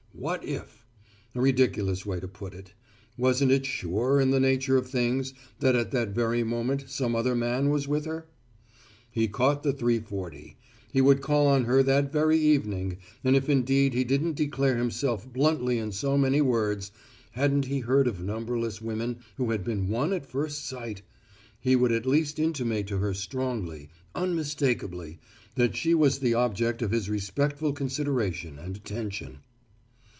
"What if" a ridiculous way to put it. Wasn't it sure in the nature of things, that at that very moment some other man was with her? He caught the 3:40. He would call on her that very evening and if indeed he didn't declare himself bluntly in so many words hadn't he heard of numberless women who had been won at first sight! he would at least intimate to her strongly, unmistakably, that she was the object of his respectful consideration and attention.